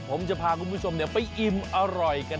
ผมจะพาคุณผู้ชมไปอิ่มอร่อยกัน